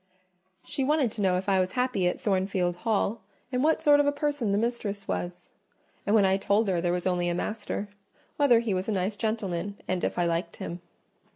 She wanted to know if I was happy at Thornfield Hall, and what sort of a person the mistress was; and when I told her there was only a master, whether he was a nice gentleman, and if I liked him.